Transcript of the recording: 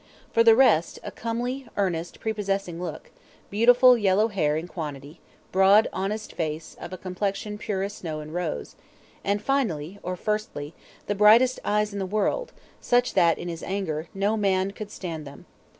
For the rest, "a comely, earnest, prepossessing look; beautiful yellow hair in quantity; broad, honest face, of a complexion pure as snow and rose;" and finally (or firstly) "the brightest eyes in the world; such that, in his anger, no man could stand them."